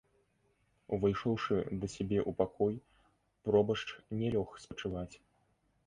Увайшоўшы да сябе ў пакой, пробашч не лёг спачываць.